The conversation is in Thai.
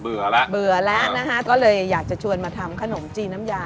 เบื่อแล้วนะคะก็เลยอยากจะชวนมาทำขนมจีนน้ำยา